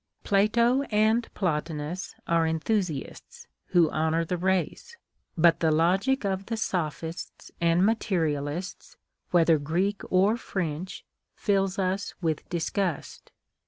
Plato and Plotinus are enthusiasts, who honor the race ; but the logic of the sophists and material ists, whether Greek or French, fills us with disgust.